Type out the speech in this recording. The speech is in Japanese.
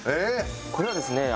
これはですね